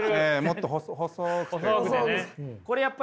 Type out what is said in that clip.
もっと細くてこう。